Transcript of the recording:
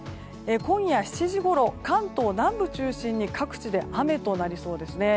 今夜７時ごろ関東南部中心に各地で雨となりそうですね。